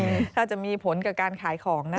อืออืมจะมีผลกับการขายของนะคะ